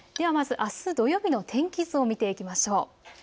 あす土曜日の天気図を見ていきましょう。